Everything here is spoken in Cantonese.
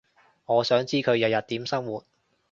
我想知佢日日點生活